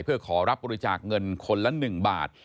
เพื่อขอรับบริจาคเงินคนละ๑บาท